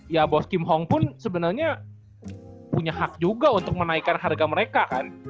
ya bos kim hong pun sebenarnya punya hak juga untuk menaikkan harga mereka kan